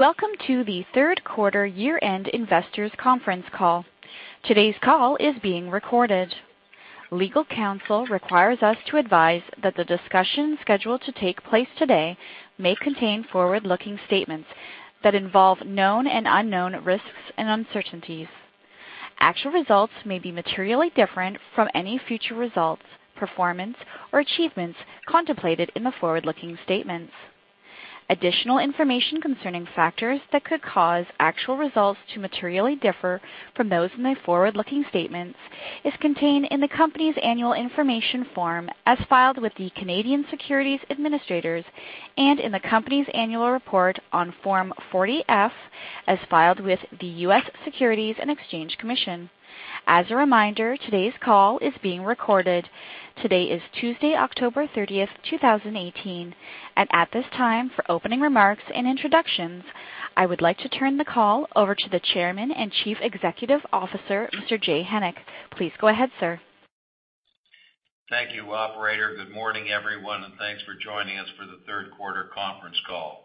Welcome to the third quarter year-end investors conference call. Today's call is being recorded. Legal counsel requires us to advise that the discussion scheduled to take place today may contain forward-looking statements that involve known and unknown risks and uncertainties. Actual results may be materially different from any future results, performance, or achievements contemplated in the forward-looking statements. Additional information concerning factors that could cause actual results to materially differ from those in the forward-looking statements is contained in the company's annual information form as filed with the Canadian Securities Administrators and in the company's annual report on Form 40-F, as filed with the U.S. Securities and Exchange Commission. As a reminder, today's call is being recorded. Today is Tuesday, October 30, 2018, and at this time, for opening remarks and introductions, I would like to turn the call over to the Chairman and Chief Executive Officer, Mr. Jay Hennick. Please go ahead, sir. Thank you, operator. Good morning, everyone. Thanks for joining us for the third quarter conference call.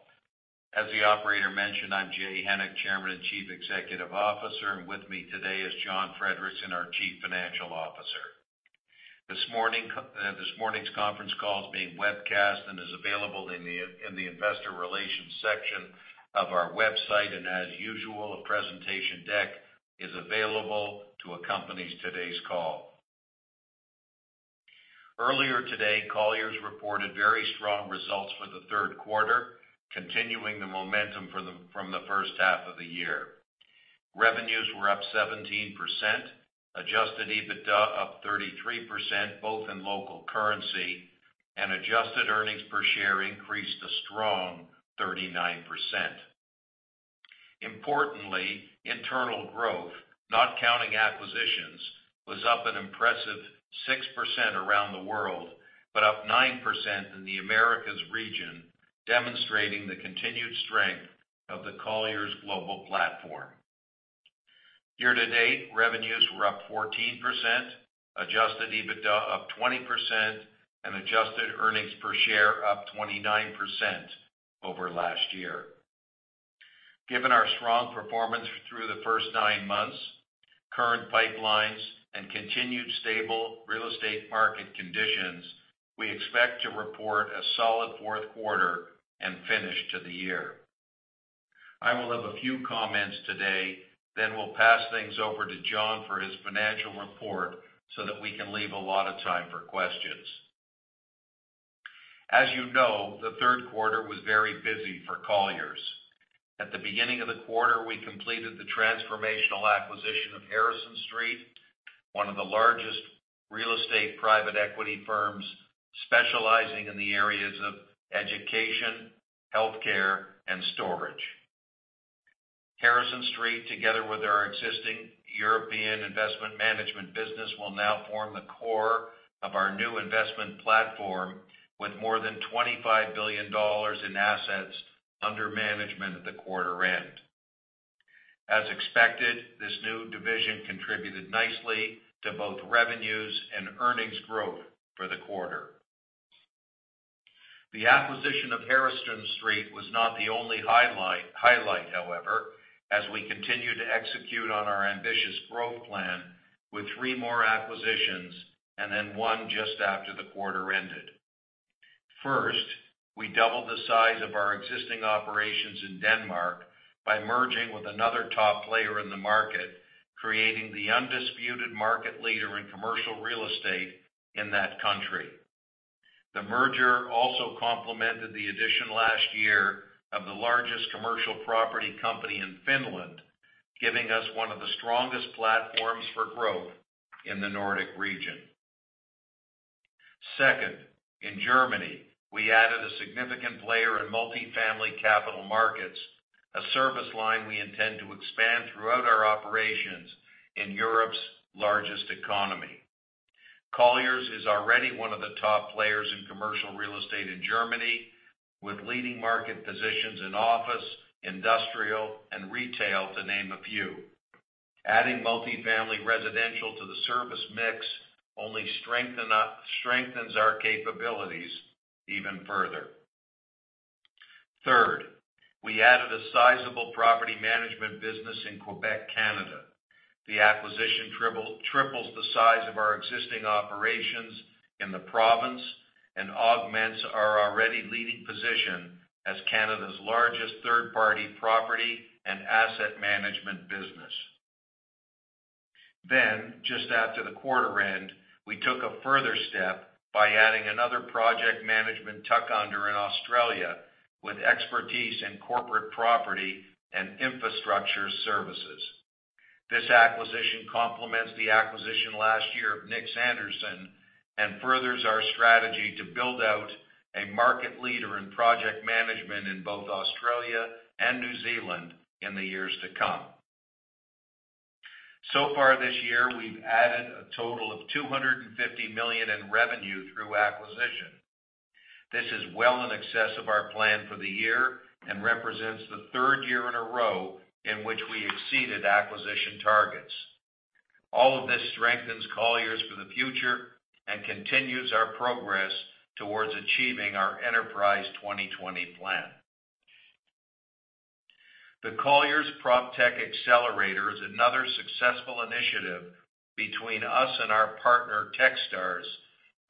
As the operator mentioned, I'm Jay Hennick, Chairman and Chief Executive Officer, and with me today is John Friedrichsen, our Chief Financial Officer. This morning's conference call is being webcast and is available in the investor relations section of our website. As usual, a presentation deck is available to accompany today's call. Earlier today, Colliers reported very strong results for the third quarter, continuing the momentum from the first half of the year. Revenues were up 17%, adjusted EBITDA up 33%, both in local currency, and adjusted earnings per share increased a strong 39%. Importantly, internal growth, not counting acquisitions, was up an impressive 6% around the world, but up 9% in the Americas region, demonstrating the continued strength of the Colliers global platform. Year to date, revenues were up 14%, adjusted EBITDA up 20%, and adjusted earnings per share up 29% over last year. Given our strong performance through the first nine months, current pipelines, and continued stable real estate market conditions, we expect to report a solid fourth quarter and finish to the year. I will have a few comments today, then we'll pass things over to John for his financial report so that we can leave a lot of time for questions. As you know, the third quarter was very busy for Colliers. At the beginning of the quarter, we completed the transformational acquisition of Harrison Street, one of the largest real estate private equity firms specializing in the areas of education, healthcare, and storage. Harrison Street, together with our existing European investment management business, will now form the core of our new investment platform with more than $25 billion in assets under management at the quarter-end. As expected, this new division contributed nicely to both revenues and earnings growth for the quarter. The acquisition of Harrison Street was not the only highlight, however, as we continue to execute on our ambitious growth plan with three more acquisitions and then one just after the quarter ended. First, we doubled the size of our existing operations in Denmark by merging with another top player in the market, creating the undisputed market leader in commercial real estate in that country. The merger also complemented the addition last year of the largest commercial property company in Finland, giving us one of the strongest platforms for growth in the Nordic region. Second, in Germany, we added a significant player in multifamily capital markets, a service line we intend to expand throughout our operations in Europe's largest economy. Colliers is already one of the top players in commercial real estate in Germany, with leading market positions in office, industrial, and retail, to name a few. Adding multifamily residential to the service mix only strengthens our capabilities even further. Third, we added a sizable property management business in Quebec, Canada. The acquisition triples the size of our existing operations in the province and augments our already leading position as Canada's largest third-party property and asset management business. Just after the quarter-end, we took a further step by adding another project management tuck-under in Australia with expertise in corporate property and infrastructure services. This acquisition complements the acquisition last year of Nix Anderson and furthers our strategy to build out a market leader in project management in both Australia and New Zealand in the years to come. So far this year, we've added a total of $250 million in revenue through acquisition. This is well in excess of our plan for the year and represents the third year in a row in which we exceeded acquisition targets. All of this strengthens Colliers for the future and continues our progress towards achieving our Enterprise 2020 plan. The Colliers Proptech Accelerator is another successful initiative between us and our partner, Techstars,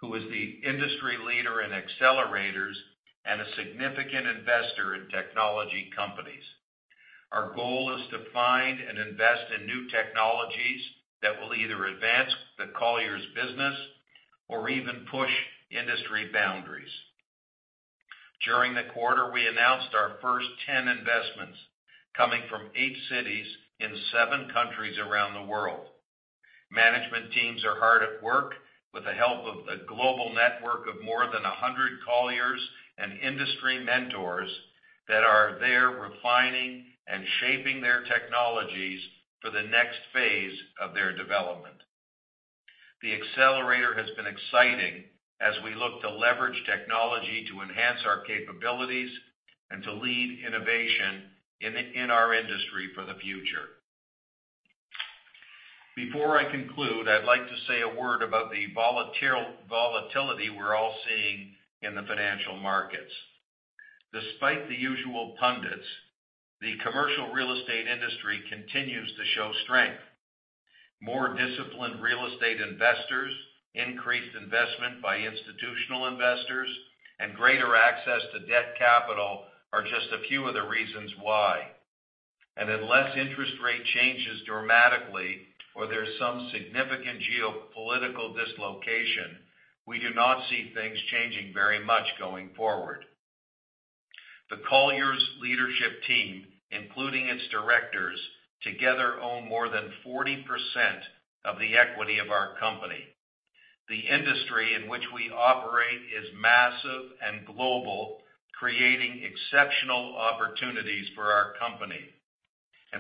who is the industry leader in accelerators and a significant investor in technology companies. Our goal is to find and invest in new technologies that will either advance the Colliers business or even push industry boundaries. During the quarter, we announced our first 10 investments, coming from eight cities in seven countries around the world. Management teams are hard at work with the help of a global network of more than 100 Colliers and industry mentors that are there refining and shaping their technologies for the next phase of their development. The Accelerator has been exciting as we look to leverage technology to enhance our capabilities and to lead innovation in our industry for the future. Before I conclude, I'd like to say a word about the volatility we're all seeing in the financial markets. Despite the usual pundits, the commercial real estate industry continues to show strength. More disciplined real estate investors, increased investment by institutional investors, and greater access to debt capital are just a few of the reasons why. Unless interest rate changes dramatically or there's some significant geopolitical dislocation, we do not see things changing very much going forward. The Colliers leadership team, including its directors, together own more than 40% of the equity of our company. The industry in which we operate is massive and global, creating exceptional opportunities for our company.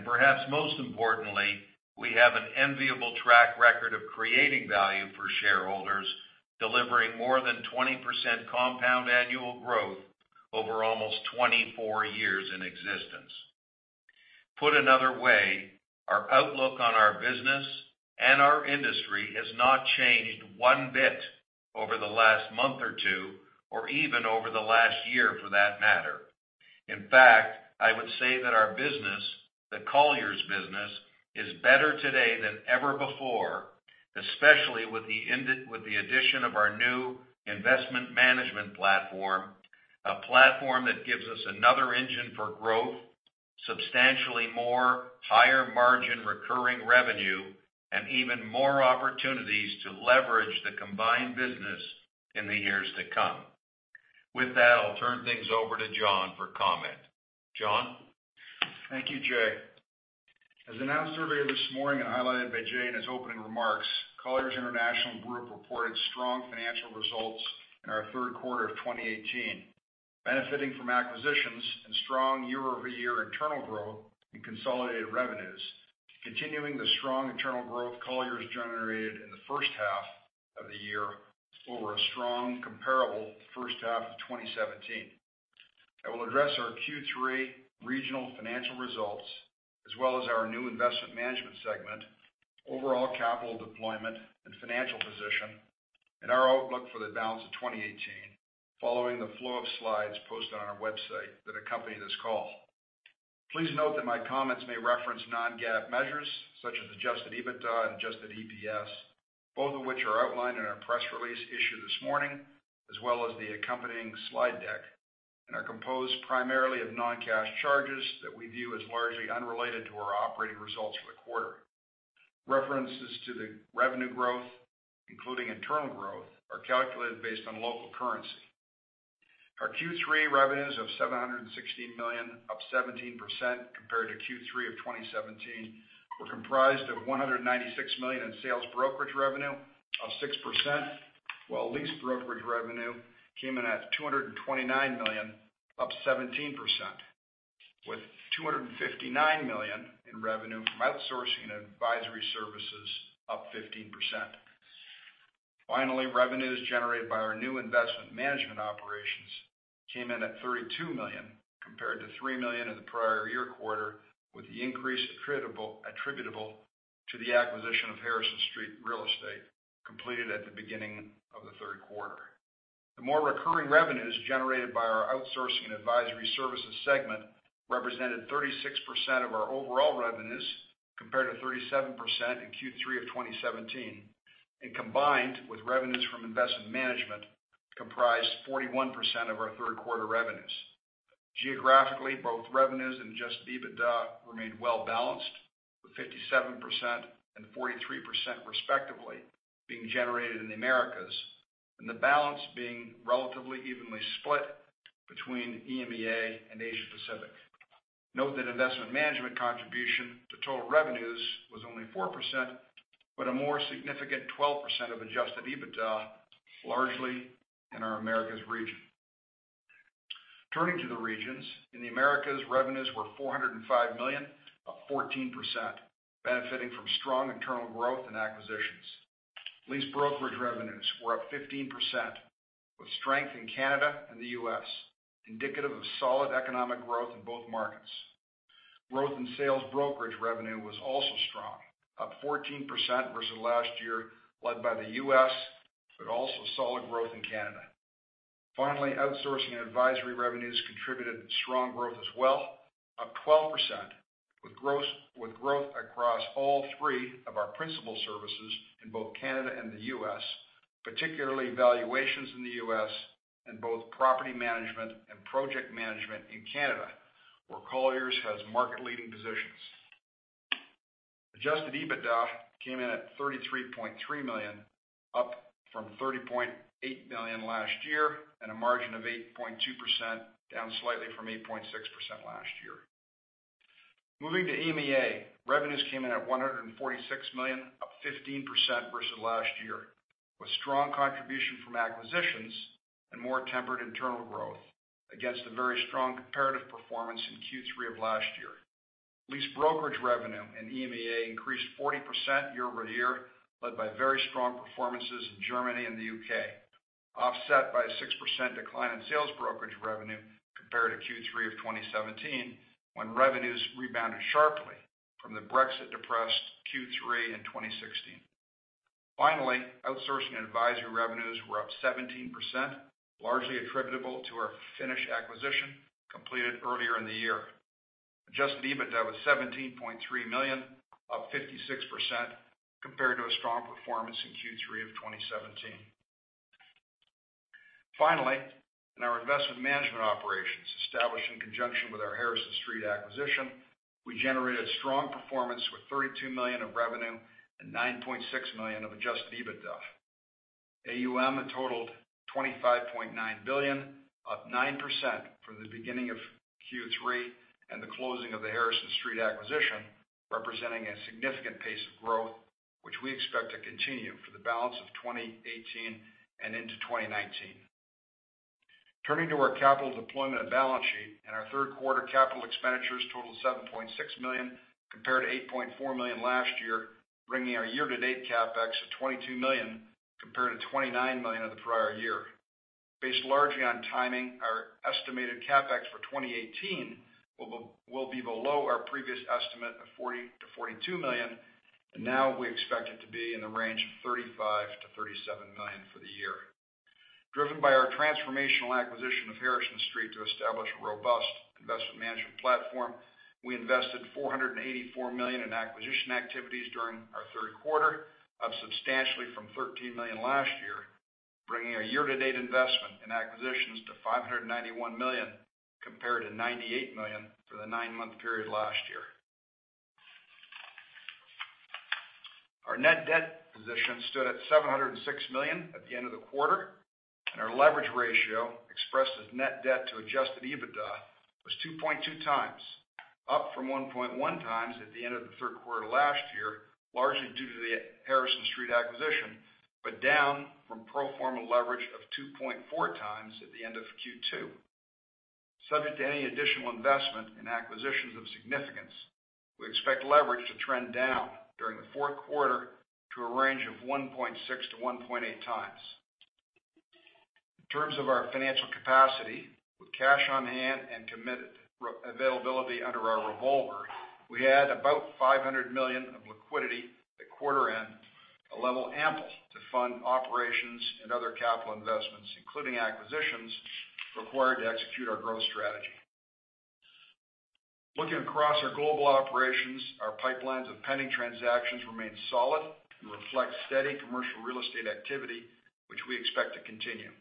Perhaps most importantly, we have an enviable track record of creating value for shareholders, delivering more than 20% compound annual growth over almost 24 years in existence. Put another way, our outlook on our business and our industry has not changed one bit over the last month or two, or even over the last year for that matter. In fact, I would say that our business, the Colliers business, is better today than ever before, especially with the addition of our new investment management platform, a platform that gives us another engine for growth, substantially more higher-margin recurring revenue, and even more opportunities to leverage the combined business in the years to come. With that, I'll turn things over to John for comment. John? Thank you, Jay. As announced earlier this morning and highlighted by Jay in his opening remarks, Colliers International Group reported strong financial results in our third quarter of 2018, benefiting from acquisitions and strong year-over-year internal growth in consolidated revenues, continuing the strong internal growth Colliers generated in the first half of the year over a strong comparable first half of 2017. I will address our Q3 regional financial results as well as our new investment management segment, overall capital deployment and financial position, and our outlook for the balance of 2018 following the flow of slides posted on our website that accompany this call. Please note that my comments may reference non-GAAP measures such as adjusted EBITDA and adjusted EPS, both of which are outlined in our press release issued this morning as well as the accompanying slide deck, and are composed primarily of non-cash charges that we view as largely unrelated to our operating results for the quarter. References to the revenue growth, including internal growth, are calculated based on local currency. Our Q3 revenues of $716 million, up 17% compared to Q3 of 2017, were comprised of $196 million in sales brokerage revenue, up 6%, while lease brokerage revenue came in at $229 million, up 17%, with $259 million in revenue from outsourcing and advisory services up 15%. Finally, revenues generated by our new investment management operations came in at $32 million compared to $3 million in the prior year quarter, with the increase attributable to the acquisition of Harrison Street Real Estate completed at the beginning of the third quarter. The more recurring revenues generated by our outsourcing and advisory services segment represented 36% of our overall revenues, compared to 37% in Q3 of 2017, and combined with revenues from investment management comprised 41% of our third quarter revenues. Geographically, both revenues and adjusted EBITDA remained well-balanced, with 57% and 43% respectively being generated in the Americas, and the balance being relatively evenly split between EMEA and Asia Pacific. Note that investment management contribution to total revenues was only 4%, but a more significant 12% of adjusted EBITDA, largely in our Americas region. Turning to the regions. In the Americas, revenues were $405 million, up 14%, benefiting from strong internal growth and acquisitions. Lease brokerage revenues were up 15%, with strength in Canada and the U.S., indicative of solid economic growth in both markets. Growth in sales brokerage revenue was also strong, up 14% versus last year, led by the U.S., but also solid growth in Canada. Finally, outsourcing and advisory revenues contributed strong growth as well, up 12%, with growth across all three of our principal services in both Canada and the U.S., particularly valuations in the U.S., and both property management and project management in Canada, where Colliers has market-leading positions. adjusted EBITDA came in at $33.3 million, up from $30.8 million last year, and a margin of 8.2%, down slightly from 8.6% last year. Moving to EMEA, revenues came in at $146 million, up 15% versus last year, with strong contribution from acquisitions and more tempered internal growth against a very strong comparative performance in Q3 of last year. Lease brokerage revenue in EMEA increased 40% year-over-year, led by very strong performances in Germany and the U.K., offset by a 6% decline in sales brokerage revenue compared to Q3 of 2017, when revenues rebounded sharply from the Brexit-depressed Q3 in 2016. Finally, outsourcing and advisory revenues were up 17%, largely attributable to our Finnish acquisition completed earlier in the year. adjusted EBITDA was $17.3 million, up 56%, compared to a strong performance in Q3 of 2017. Finally, in our investment management operations, established in conjunction with our Harrison Street acquisition, we generated strong performance with $32 million of revenue and $9.6 million of adjusted EBITDA. AUM totaled $25.9 billion, up 9% from the beginning of Q3 and the closing of the Harrison Street acquisition, representing a significant pace of growth, which we expect to continue for the balance of 2018 and into 2019. Turning to our capital deployment and balance sheet, Our third quarter capital expenditures totaled $7.6 million, compared to $8.4 million last year, bringing our year-to-date CapEx to $22 million, compared to $29 million in the prior year. Based largely on timing, our estimated CapEx for 2018 will be below our previous estimate of $40 million-$42 million, Now we expect it to be in the range of $35 million-$37 million for the year. Driven by our transformational acquisition of Harrison Street to establish a robust investment management platform, we invested $484 million in acquisition activities during our third quarter, up substantially from $13 million last year, bringing our year-to-date investment in acquisitions to $591 million, compared to $98 million for the nine-month period last year. Our net debt position stood at $706 million at the end of the quarter, and our leverage ratio, expressed as net debt to adjusted EBITDA, was 2.2 times, up from 1.1 times at the end of the third quarter last year, largely due to the Harrison Street acquisition, but down from pro forma leverage of 2.4 times at the end of Q2. Subject to any additional investment in acquisitions of significance, we expect leverage to trend down during the fourth quarter to a range of 1.6 to 1.8 times. In terms of our financial capacity, with cash on hand and committed availability under our revolver, we had about $500 million of liquidity at quarter-end, a level ample to fund operations and other capital investments, including acquisitions required to execute our growth strategy. Looking across our global operations, our pipelines of pending transactions remain solid and reflect steady commercial real estate activity, which we expect to continue.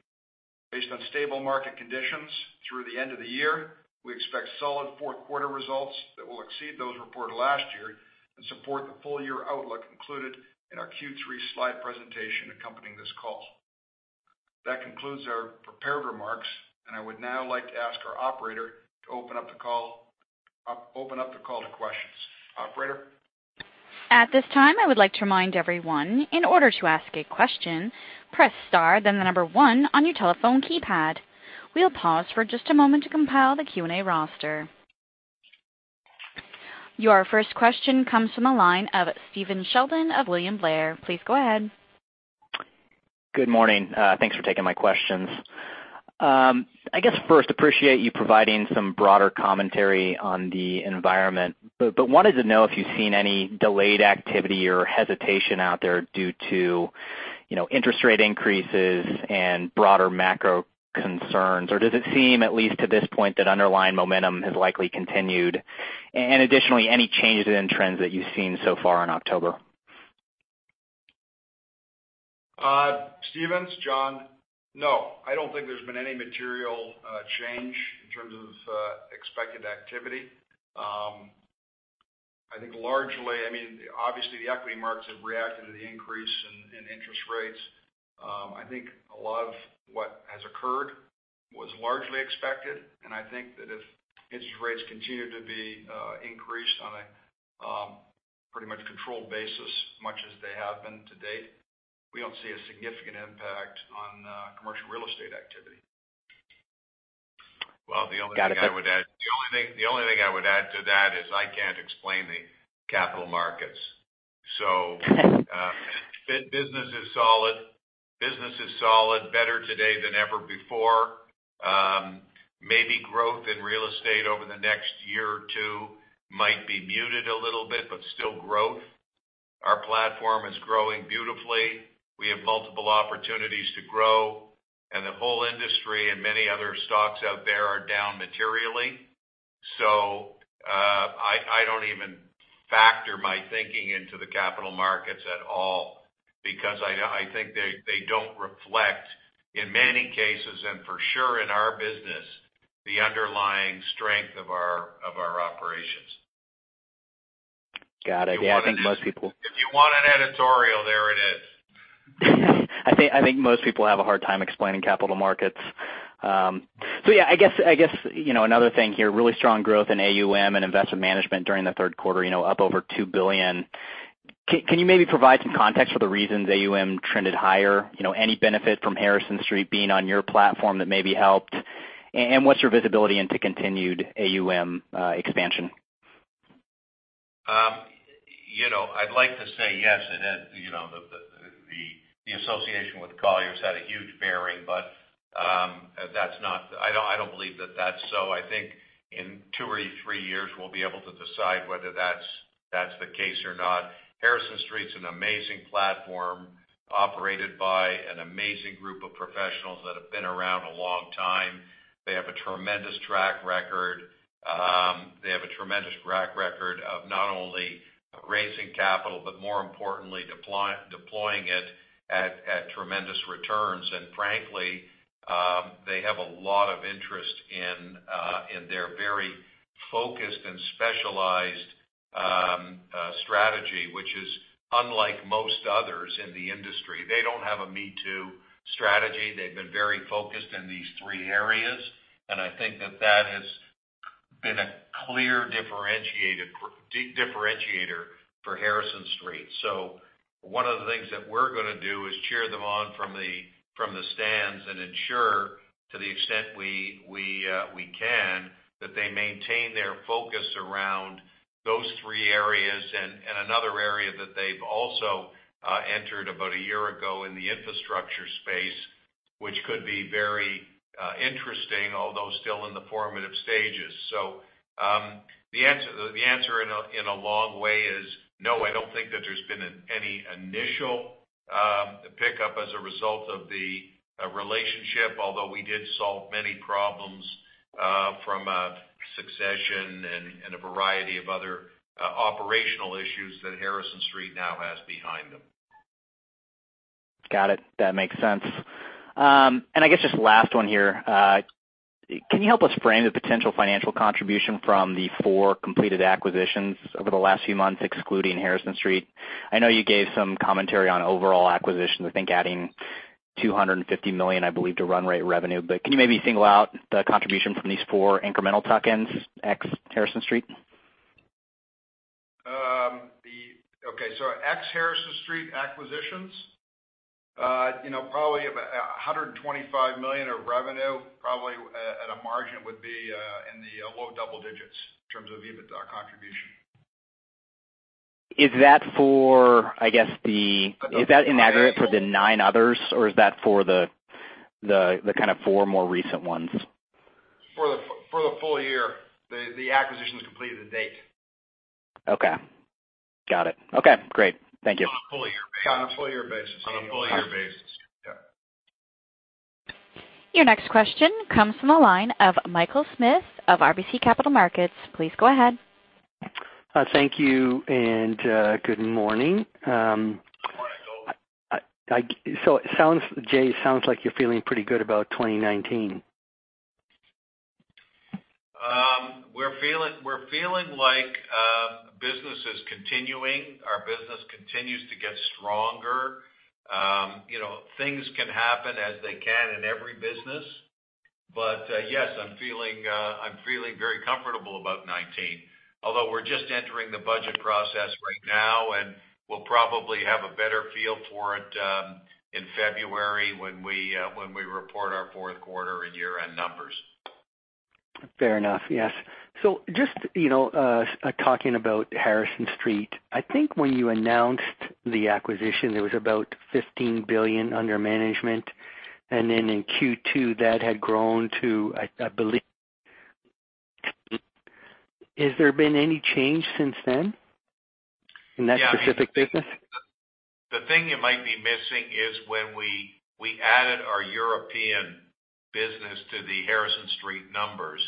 Based on stable market conditions through the end of the year, we expect solid fourth quarter results that will exceed those reported last year and support the full-year outlook included in our Q3 slide presentation accompanying this call. That concludes our prepared remarks, and I would now like to ask our operator to open up the call to questions. Operator? At this time, I would like to remind everyone, in order to ask a question, press star, then the number 1 on your telephone keypad. We'll pause for just a moment to compile the Q&A roster. Your first question comes from the line of Stephen Sheldon of William Blair. Please go ahead. Good morning. Thanks for taking my questions. I guess, first, appreciate you providing some broader commentary on the environment, but wanted to know if you've seen any delayed activity or hesitation out there due to interest rate increases and broader macro concerns, or does it seem, at least to this point, that underlying momentum has likely continued? Additionally, any changes in trends that you've seen so far in October? Stephen, it's John. I don't think there's been any material change in terms of expected activity. I think largely, obviously, the equity markets have reacted to the increase in interest rates. I think a lot of what has occurred was largely expected, and I think that if interest rates continue to be increased on a pretty much controlled basis, much as they have been to date, we don't see a significant impact on commercial real estate activity The only thing I would add to that is I can't explain the capital markets. Business is solid, better today than ever before. Maybe growth in real estate over the next year or two might be muted a little bit. Still growth. Our platform is growing beautifully. We have multiple opportunities to grow. The whole industry and many other stocks out there are down materially. I don't even factor my thinking into the capital markets at all because I think they don't reflect, in many cases, and for sure in our business, the underlying strength of our operations. Got it. Yeah. If you want an editorial, there it is. I think most people have a hard time explaining capital markets. Really strong growth in AUM and investment management during the third quarter, up over $2 billion. Can you maybe provide some context for the reasons AUM trended higher? Any benefit from Harrison Street being on your platform that maybe helped? What's your visibility into continued AUM expansion? I'd like to say yes, the association with Colliers had a huge bearing, I don't believe that that's so. I think in two or three years, we'll be able to decide whether that's the case or not. Harrison Street's an amazing platform operated by an amazing group of professionals that have been around a long time. They have a tremendous track record. They have a tremendous track record of not only raising capital, but more importantly, deploying it at tremendous returns. Frankly, they have a lot of interest in their very focused and specialized strategy, which is unlike most others in the industry. They don't have a me too strategy. They've been very focused in these three areas, I think that that has been a clear differentiator for Harrison Street. One of the things that we're going to do is cheer them on from the stands and ensure to the extent we can, that they maintain their focus around those three areas and another area that they've also entered about a year ago in the infrastructure space, which could be very interesting, although still in the formative stages. The answer in a long way is no, I don't think that there's been any initial pickup as a result of the relationship, although we did solve many problems from a succession and a variety of other operational issues that Harrison Street now has behind them. Got it. That makes sense. Just last one here. Can you help us frame the potential financial contribution from the four completed acquisitions over the last few months, excluding Harrison Street? I know you gave some commentary on overall acquisitions, I think adding $250 million, I believe, to run rate revenue. Can you maybe single out the contribution from these four incremental tuck-ins, ex Harrison Street? ex Harrison Street acquisitions, probably about 125 million of revenue, probably at a margin would be in the low double digits in terms of EBITDA contribution. Is that in aggregate for the nine others, or is that for the kind of four more recent ones? For the full year. The acquisitions completed to date. Okay. Got it. Okay, great. Thank you. On a full year basis. On a full year basis. On a full year basis. Yeah. Your next question comes from the line of Michael Smith of RBC Capital Markets. Please go ahead. Thank you, good morning. Good morning, Michael. Jay, sounds like you're feeling pretty good about 2019. We're feeling like business is continuing. Our business continues to get stronger. Things can happen as they can in every business. Yes, I'm feeling very comfortable about 2019, although we're just entering the budget process right now, and we'll probably have a better feel for it in February when we report our fourth quarter and year-end numbers. Fair enough. Yes. Just talking about Harrison Street, I think when you announced the acquisition, there was about $15 billion under management. Then in Q2, that had grown to, I believe. Has there been any change since then in that specific business? The thing you might be missing is when we added our European business to the Harrison Street numbers.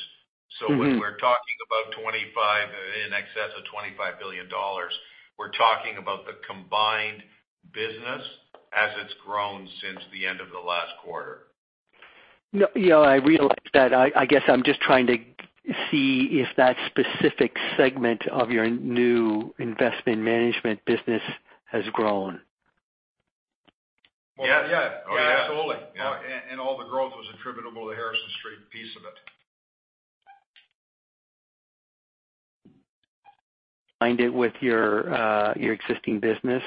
When we're talking about in excess of $25 billion, we're talking about the combined business as it's grown since the end of the last quarter. Yeah, I realize that. I guess I'm just trying to see if that specific segment of your new investment management business has grown. Yes. Yeah. Absolutely. All the growth was attributable to the Harrison Street piece of it. find it with your existing business.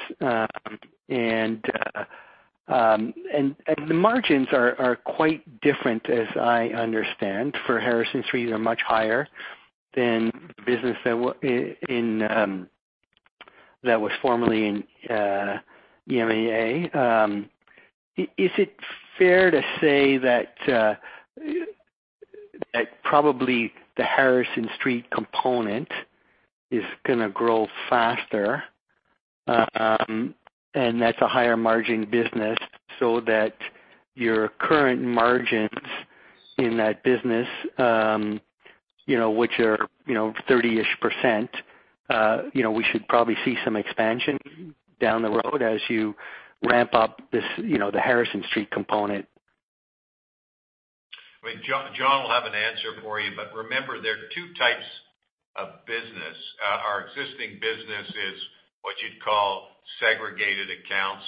The margins are quite different, as I understand, for Harrison Street are much higher than the business that was formerly in EMEA. Is it fair to say that probably the Harrison Street component is going to grow faster? That's a higher margin business so that your current margins in that business, which are 30-ish%, we should probably see some expansion down the road as you ramp up the Harrison Street component. Well, John will have an answer for you, but remember, there are two types of business. Our existing business is what you'd call segregated accounts,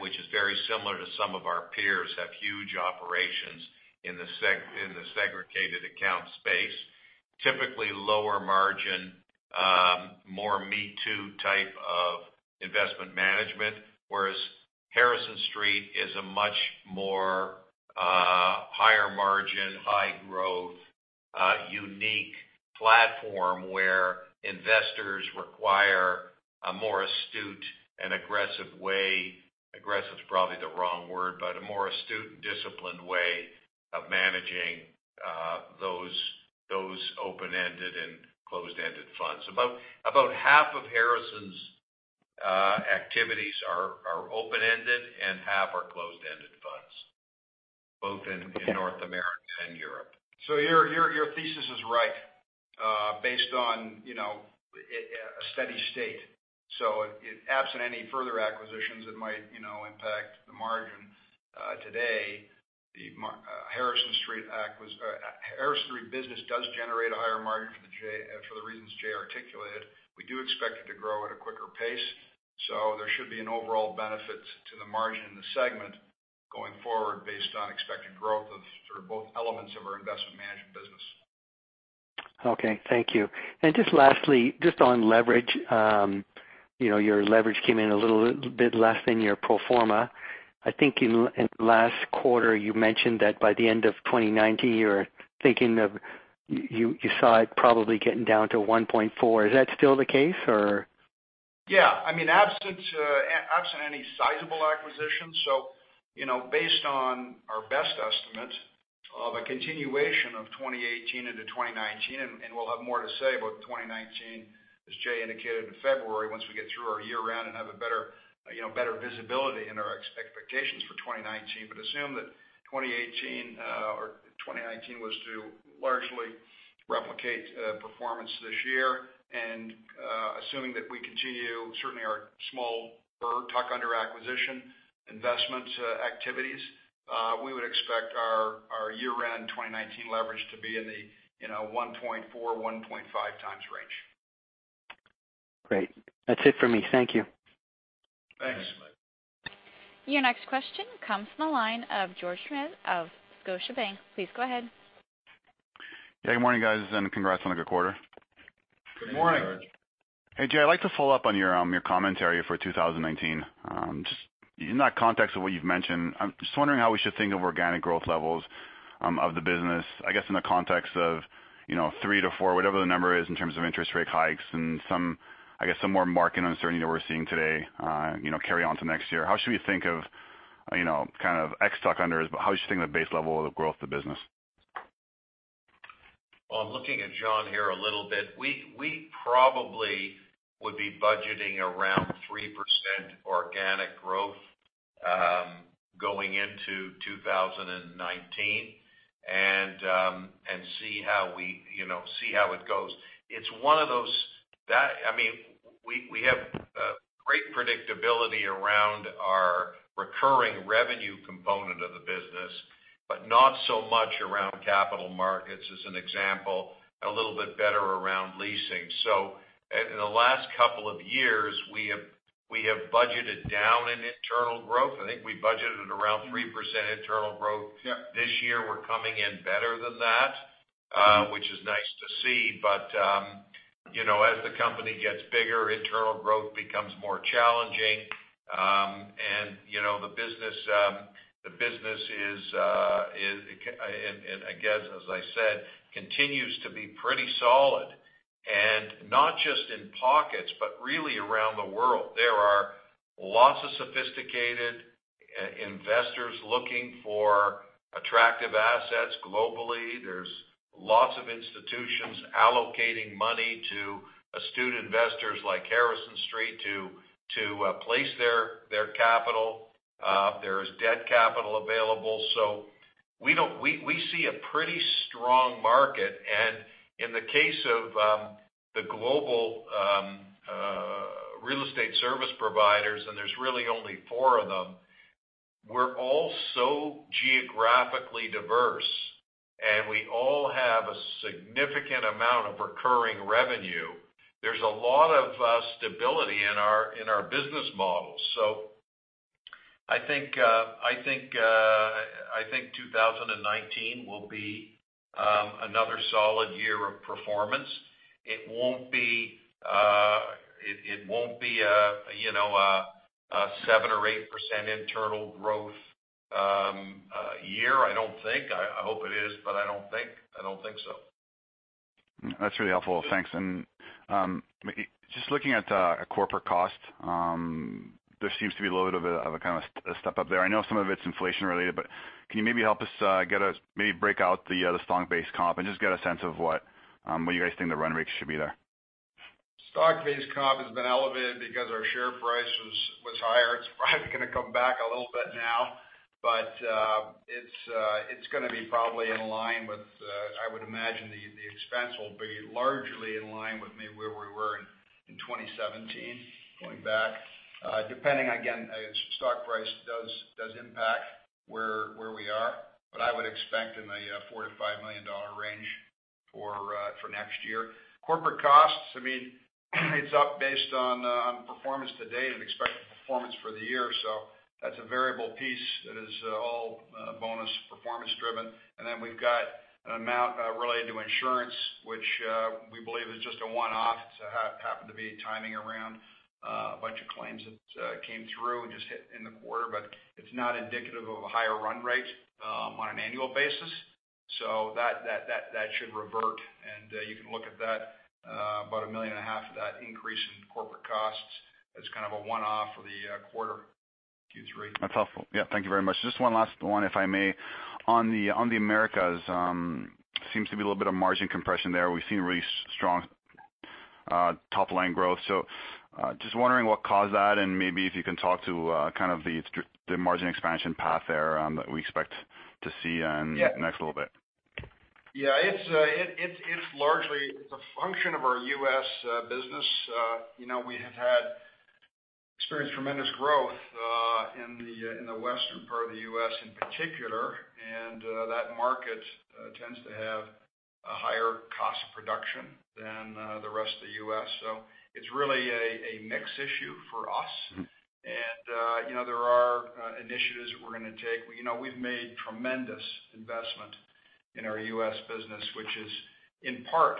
which is very similar to some of our peers, have huge operations in the segregated account space. Typically lower margin, more me too type of investment management, whereas Harrison Street is a much more higher margin, high growth, unique platform where investors require a more astute and aggressive way, aggressive is probably the wrong word, but a more astute and disciplined way of managing those open-ended and closed-ended funds. About half of Harrison's activities are open-ended and half are closed-ended funds, both in North America and Europe. Your thesis is right, based on a steady state. Absent any further acquisitions that might impact the margin, today, the Harrison Street business does generate a higher margin for the reasons Jay articulated. We do expect it to grow at a quicker pace. There should be an overall benefit to the margin in the segment going forward based on expected growth of sort of both elements of our investment management business. Okay. Thank you. Just lastly, just on leverage. Your leverage came in a little bit less than your pro forma. I think in last quarter you mentioned that by the end of 2019, you saw it probably getting down to 1.4. Is that still the case, or? Yeah. Absent any sizable acquisitions. Based on our best estimate of a continuation of 2018 into 2019, and we'll have more to say about 2019, as Jay indicated, in February once we get through our year-end and have a better visibility into our expectations for 2019. Assume that 2018 or 2019 was to largely replicate performance this year, and assuming that we continue certainly our small tuck-under acquisition investment activities, we would expect our year-end 2019 leverage to be in the 1.4, 1.5 times range. Great. That's it for me. Thank you. Thanks. Thanks. Your next question comes from the line of George Doumet of Scotiabank. Please go ahead. Yeah. Good morning, guys, congrats on a good quarter. Good morning. Good morning, George. Hey, Jay, I'd like to follow up on your commentary for 2019. Just in that context of what you've mentioned, I'm just wondering how we should think of organic growth levels of the business, I guess in the context of three to four, whatever the number is in terms of interest rate hikes and I guess some more market uncertainty that we're seeing today carry on to next year. How should we think of kind of ex tuck-unders, how should you think the base level of growth of the business? Well, I'm looking at John here a little bit. We probably would be budgeting around 3% organic growth, going into 2019 and see how it goes. We have great predictability around our recurring revenue component of the business, but not so much around capital markets as an example, and a little bit better around leasing. In the last couple of years, we have budgeted down in internal growth. I think we budgeted around 3% internal growth. Yeah. This year, we're coming in better than that, which is nice to see. As the company gets bigger, internal growth becomes more challenging. The business is, and I guess as I said, continues to be pretty solid. Not just in pockets, but really around the world. There are lots of sophisticated investors looking for attractive assets globally. There's lots of institutions allocating money to astute investors like Harrison Street to place their capital. There is debt capital available. We see a pretty strong market. In the case of the global real estate service providers, and there's really only four of them, we're all so geographically diverse, and we all have a significant amount of recurring revenue. There's a lot of stability in our business models. I think 2019 will be another solid year of performance. It won't be a 7% or 8% internal growth year, I don't think. I hope it is, I don't think so. That's really helpful. Thanks. Just looking at corporate cost, there seems to be a little bit of a step up there. I know some of it's inflation related, can you maybe help us break out the stock-based comp and just get a sense of what you guys think the run rate should be there? Stock-based comp has been elevated because our share price was higher. It's probably going to come back a little bit now. It's going to be probably in line with, I would imagine the expense will be largely in line with maybe where we were in 2017, going back. Depending again, stock price does impact where we are. I would expect in the $4 million to $5 million range for next year. Corporate costs, it's up based on performance to date and expected performance for the year. That's a variable piece that is all bonus performance driven. We've got an amount related to insurance, which we believe is just a one-off. It happened to be timing around a bunch of claims that came through and just hit in the quarter, but it's not indicative of a higher run rate on an annual basis. That should revert, and you can look at that. About $1.5 million of that increase in corporate costs as kind of a one-off for the quarter Q3. That's helpful. Thank you very much. Just one last one, if I may. On the Americas, seems to be a little bit of margin compression there. We've seen really strong top line growth. Just wondering what caused that and maybe if you can talk to kind of the margin expansion path there that we expect to see in the next little bit. It's largely a function of our U.S. business. We have experienced tremendous growth in the western part of the U.S. in particular, and that market tends to have a higher cost of production than the rest of the U.S. It's really a mix issue for us. There are initiatives we're going to take. We've made tremendous investment in our U.S. business, which is in part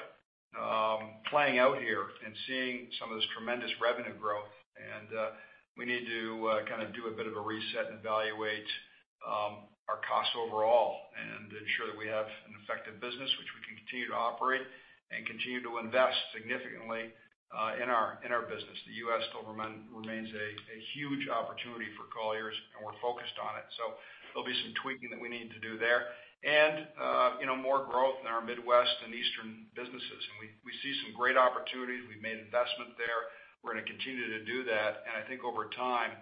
playing out here and seeing some of this tremendous revenue growth. We need to kind of do a bit of a reset and evaluate our costs overall and ensure that we have an effective business which we can continue to operate and continue to invest significantly in our business. The U.S. still remains a huge opportunity for Colliers, and we're focused on it. There'll be some tweaking that we need to do there. More growth in our Midwest and Eastern businesses. We see some great opportunities. We've made investment there. We're going to continue to do that. I think over time,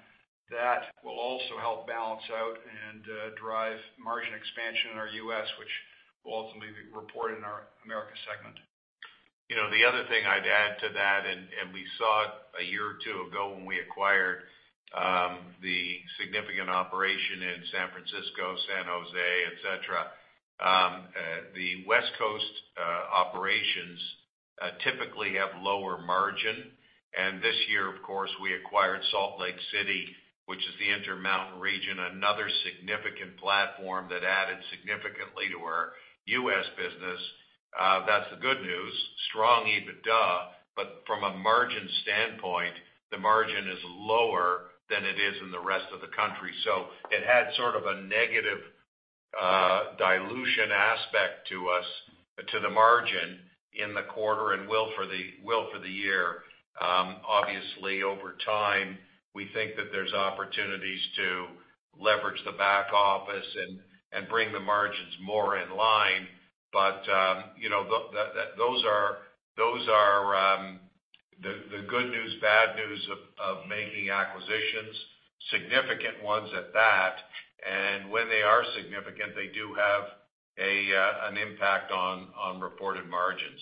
that will also help balance out and drive margin expansion in our U.S., which will ultimately be reported in our Americas segment. The other thing I'd add to that. We saw it a year or two ago when we acquired the significant operation in San Francisco, San Jose, et cetera. The West Coast operations typically have lower margin. This year, of course, we acquired Salt Lake City, which is the Intermountain region, another significant platform that added significantly to our U.S. business. That's the good news, strong EBITDA, but from a margin standpoint, the margin is lower than it is in the rest of the country. It had sort of a negative dilution aspect to us, to the margin in the quarter and will for the year. Obviously, over time, we think that there's opportunities to leverage the back office and bring the margins more in line. Those are the good news, bad news of making acquisitions, significant ones at that. When they are significant, they do have an impact on reported margins.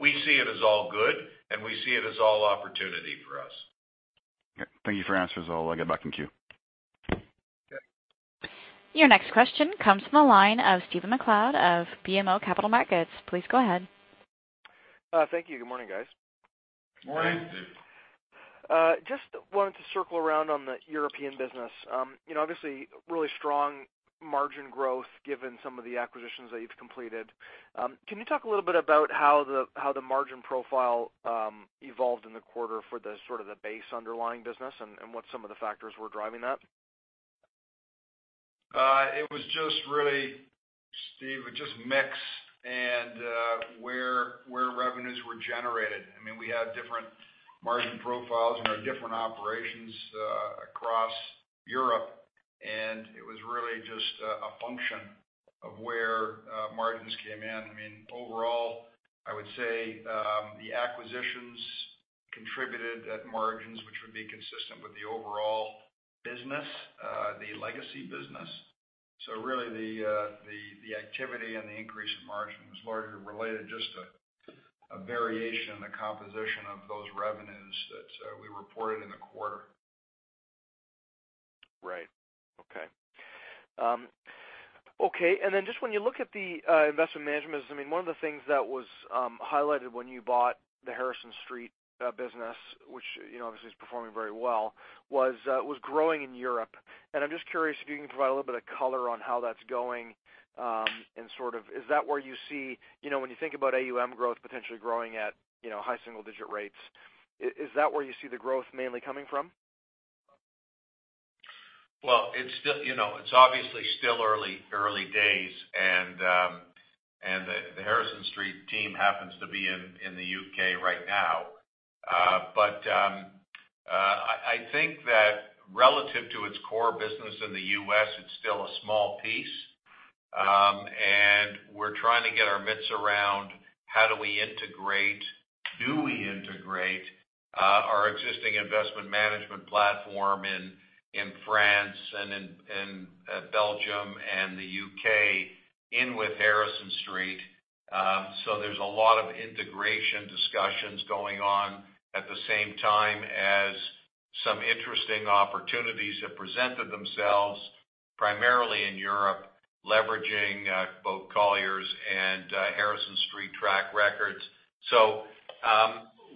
We see it as all good, and we see it as all opportunity for us. Okay. Thank you for the answers. I'll get back in queue. Okay. Your next question comes from the line of Stephen MacLeod of BMO Capital Markets. Please go ahead. Thank you. Good morning, guys. Morning, Steve. Just wanted to circle around on the European business. Obviously really strong margin growth given some of the acquisitions that you've completed. Can you talk a little bit about how the margin profile evolved in the quarter for the sort of the base underlying business and what some of the factors were driving that? It was just really, Stephen, just mix and where revenues were generated. We had different margin profiles in our different operations across Europe, and it was really just a function of where margins came in. Overall, I would say the acquisitions contributed at margins which would be consistent with the overall business, the legacy business. Really the activity and the increase in margin was largely related just to a variation in the composition of those revenues that we reported in the quarter. Right. Okay. Just when you look at the investment management business, one of the things that was highlighted when you bought the Harrison Street business, which obviously is performing very well, was growing in Europe. I'm just curious if you can provide a little bit of color on how that's going. When you think about AUM growth potentially growing at high single-digit rates, is that where you see the growth mainly coming from? Well, it's obviously still early days, the Harrison Street team happens to be in the U.K. right now. I think that relative to its core business in the U.S., it's still a small piece. We're trying to get our midst around how do we integrate, do we integrate our existing investment management platform in France and in Belgium and the U.K. in with Harrison Street. There's a lot of integration discussions going on at the same time as some interesting opportunities have presented themselves, primarily in Europe, leveraging both Colliers and Harrison Street track records.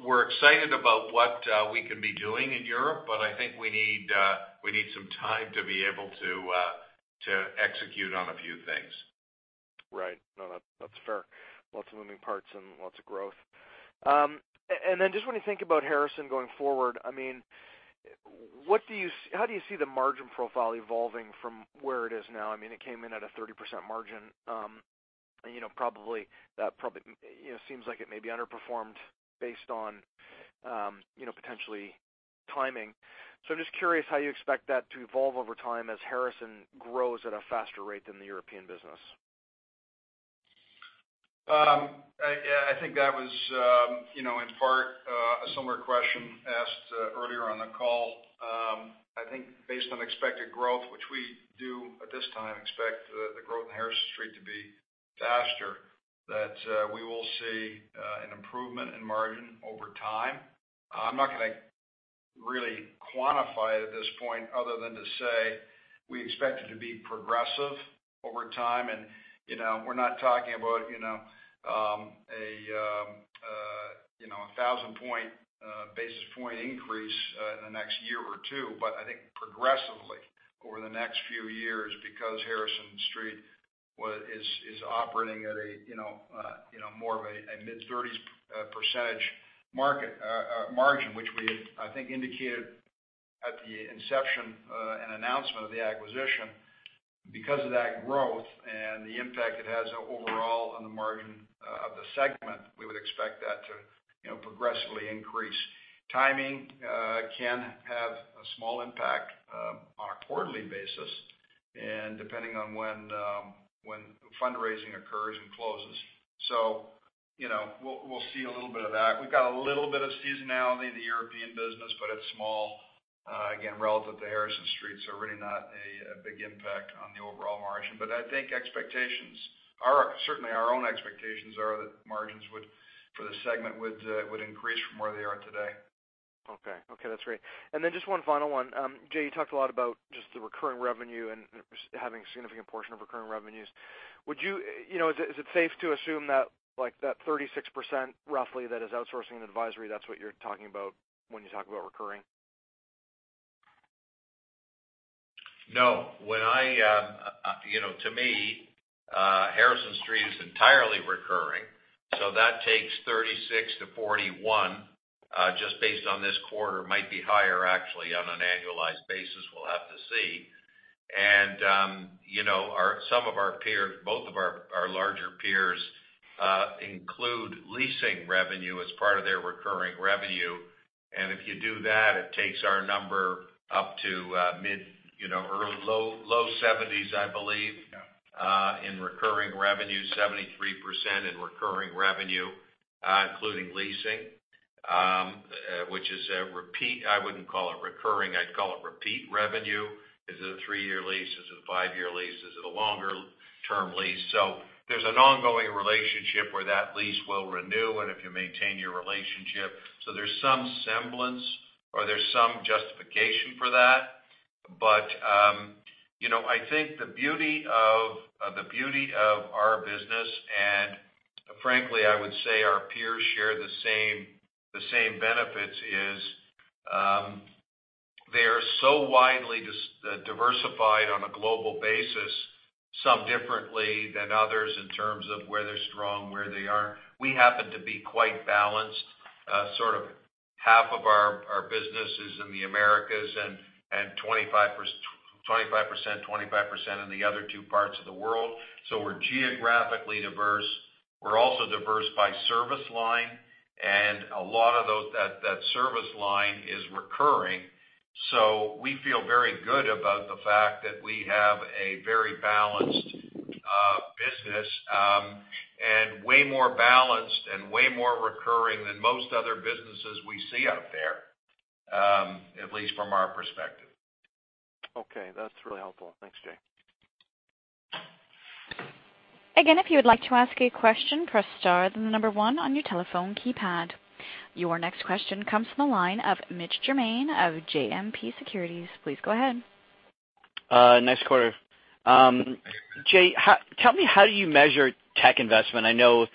We're excited about what we can be doing in Europe, I think we need some time to be able to execute on a few things. Right. No, that's fair. Lots of moving parts and lots of growth. Just when you think about Harrison going forward, how do you see the margin profile evolving from where it is now? It came in at a 30% margin. It seems like it may be underperformed based on potentially timing. I'm just curious how you expect that to evolve over time as Harrison grows at a faster rate than the European business. I think that was, in part, a similar question asked earlier on the call. I think based on expected growth, which we do at this time expect the growth in Harrison Street to be faster, that we will see an improvement in margin over time. I'm not going to really quantify it at this point other than to say we expect it to be progressive over time. We're not talking about a 1,000 basis point increase in the next year or two, but I think progressively over the next few years, because Harrison Street is operating at more of a mid-30s percentage margin, which we, I think, indicated at the inception and announcement of the acquisition. Because of that growth and the impact it has overall on the margin of the segment, we would expect that to progressively increase. Timing can have a small impact on a quarterly basis and depending on when fundraising occurs and closes. We'll see a little bit of that. We've got a little bit of seasonality in the European business, but it's small, again, relative to Harrison Street, so really not a big impact on the overall margin. I think certainly our own expectations are that margins for the segment would increase from where they are today. Okay. That's great. Just one final one. Jay, you talked a lot about just the recurring revenue and having a significant portion of recurring revenues. Is it safe to assume that 36%, roughly, that is outsourcing and advisory, that's what you're talking about when you talk about recurring? No. To me, Harrison Street is entirely recurring, so that takes 36%-41%, just based on this quarter. Might be higher, actually, on an annualized basis. We'll have to see. Both of our larger peers include leasing revenue as part of their recurring revenue. If you do that, it takes our number up to low 70s, I believe. Yeah in recurring revenue, 73% in recurring revenue, including leasing, which is a repeat. I wouldn't call it recurring, I'd call it repeat revenue. Is it a three-year lease? Is it a five-year lease? Is it a longer-term lease? There's an ongoing relationship where that lease will renew and if you maintain your relationship. There's some semblance or there's some justification for that. I think the beauty of our business, and frankly, I would say our peers share the same benefits, is they are so widely diversified on a global basis, some differently than others in terms of where they're strong, where they aren't. We happen to be quite balanced. Sort of half of our business is in the Americas and 25%, 25% in the other two parts of the world. We're geographically diverse. We're also diverse by service line, and a lot of that service line is recurring. We feel very good about the fact that we have a very balanced business, and way more balanced and way more recurring than most other businesses we see out there, at least from our perspective. That's really helpful. Thanks, Jay. Again, if you would like to ask a question, press star, the number one on your telephone keypad. Your next question comes from the line of Mitch Germain of JMP Securities. Please go ahead. Nice quarter. Jay, tell me how you measure tech investment. I know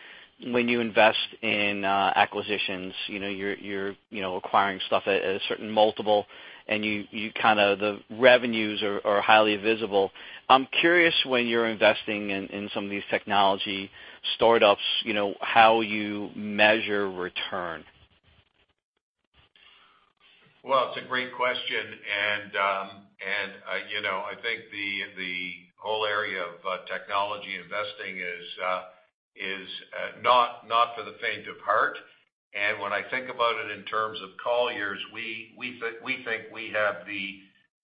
when you invest in acquisitions, you're acquiring stuff at a certain multiple, and the revenues are highly visible. I'm curious when you're investing in some of these technology startups, how you measure return. Well, it's a great question, and I think the whole area of technology investing is not for the faint of heart. When I think about it in terms of Colliers, we think we have the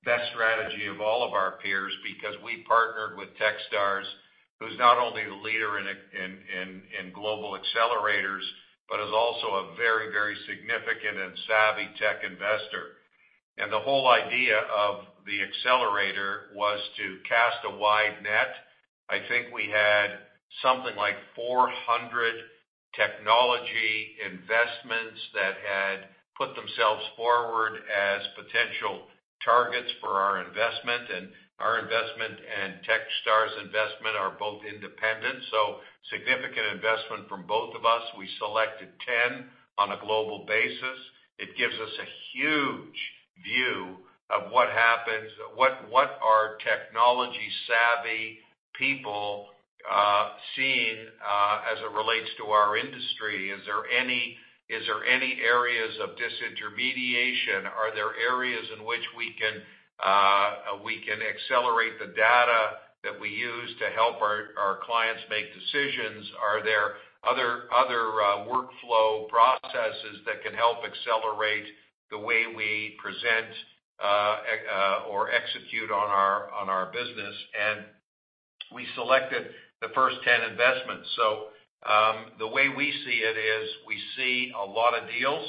best strategy of all of our peers because we partnered with Techstars, who's not only the leader in global accelerators, but is also a very significant and savvy tech investor. The whole idea of the accelerator was to cast a wide net. I think we had something like 400 technology investments that had put themselves forward as potential targets for our investment. Our investment and Techstars' investment are both independent, so significant investment from both of us. We selected 10 on a global basis. It gives us a huge view of what happens, what are technology-savvy people seeing as it relates to our industry. Is there any areas of disintermediation? Are there areas in which we can accelerate the data that we use to help our clients make decisions? Are there other workflow processes that can help accelerate the way we present or execute on our business? We selected the first 10 investments. The way we see it is we see a lot of deals.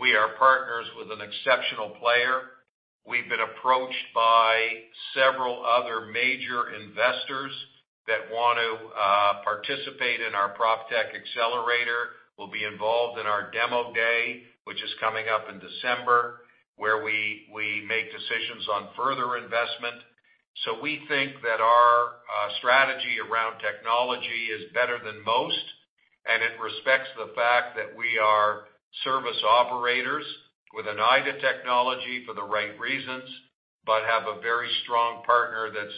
We are partners with an exceptional player. We've been approached by several other major investors that want to participate in our PropTech Accelerator, will be involved in our demo day, which is coming up in December, where we make decisions on further investment. We think that our strategy around technology is better than most, and it respects the fact that we are service operators with an eye to technology for the right reasons, but have a very strong partner that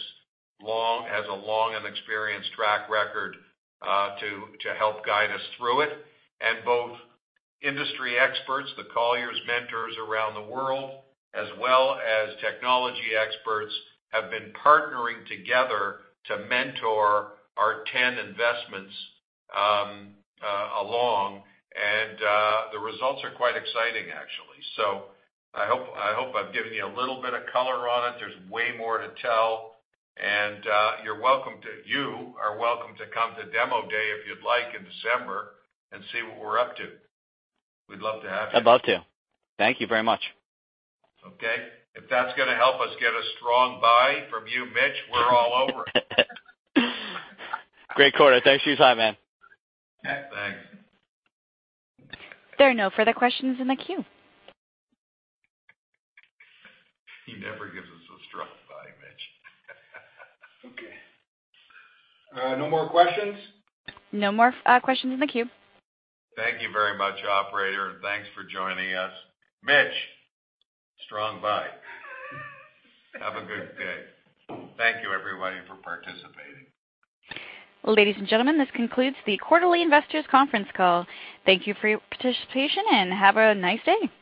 has a long and experienced track record to help guide us through it. Both industry experts, the Colliers mentors around the world, as well as technology experts, have been partnering together to mentor our 10 investments along, and the results are quite exciting, actually. I hope I've given you a little bit of color on it. There's way more to tell, and you are welcome to come to demo day if you'd like in December and see what we're up to. We'd love to have you. I'd love to. Thank you very much. Okay. If that's going to help us get a strong buy from you, Mitch, we're all over it. Great quarter. Thanks for your time, man. Yeah, thanks. There are no further questions in the queue. He never gives us a strong buy, Mitch. Okay. No more questions? No more questions in the queue. Thank you very much, operator, and thanks for joining us. Mitch, strong buy. Have a good day. Thank you everybody for participating. Ladies and gentlemen, this concludes the quarterly investors conference call. Thank you for your participation, and have a nice day.